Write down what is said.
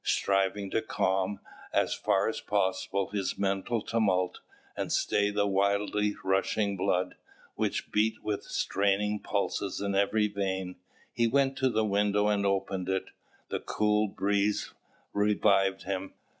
Striving to calm, as far as possible, his mental tumult, and stay the wildly rushing blood, which beat with straining pulses in every vein, he went to the window and opened it. The cool breeze revived him.